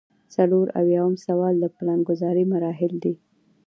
څلور اویایم سوال د پلانګذارۍ مراحل دي.